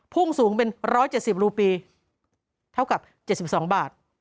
พุ่งสูงเป็น๑๗๐รูปีเท่ากับ๗๒บาท